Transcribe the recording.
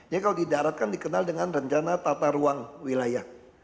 jadi kalau di darat kan dikenal dengan rencana tata ruang wilayah